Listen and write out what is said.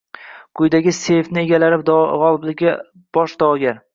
Quyidagi selfi egalari gʻoliblikka bosh daʼvogar.